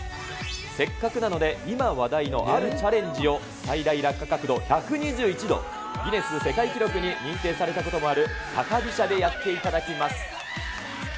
せっかくなので、今話題のあるチャレンジを、最大落下角度１２１度、ギネス世界記録に認定されたこともある、高飛車でやっていただきます。